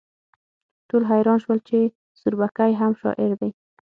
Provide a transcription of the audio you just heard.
ټول حیران شول چې سوربګی هم شاعر دی